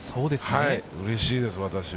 うれしいです、私も。